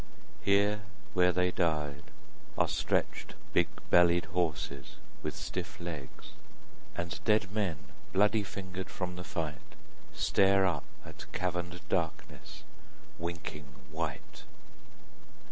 Here where they died Are stretched big bellied horses with stiff legs; And dead men, bloody fingered from the fight, Stare up at caverned darkness winking white.